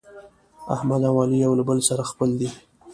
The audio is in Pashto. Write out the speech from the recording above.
احمد او علي یو له بل سره خپل دي.